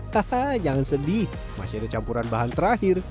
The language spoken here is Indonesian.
haha jangan sedih masih ada campuran bahan terakhir